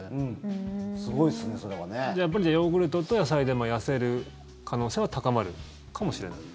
やっぱりヨーグルトと野菜で痩せる可能性は高まるかもしれない？